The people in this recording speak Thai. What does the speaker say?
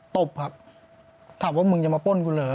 ตบครับถามว่ามึงจะมาป้นกูเหรอ